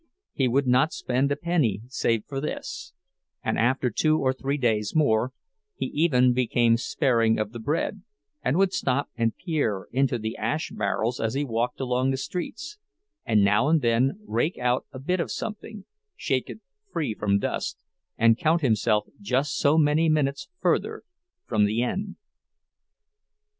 He would not spend a penny save for this; and, after two or three days more, he even became sparing of the bread, and would stop and peer into the ash barrels as he walked along the streets, and now and then rake out a bit of something, shake it free from dust, and count himself just so many minutes further from the end.